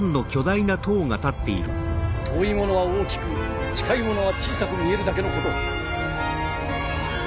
遠いものは大きく近いものは小さく見えるだけのこと。